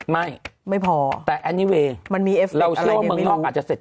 ไม่ไม่พอแต่มันมีอะไรเราเชื่อว่าเมืองนอกอาจจะเสร็จ